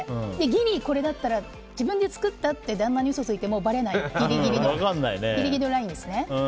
ギリ、これだったら自分で作ったって旦那に嘘ついてもばれないギリギリのラインですね。